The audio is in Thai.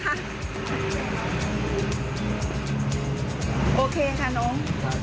โอเคค่ะน้อง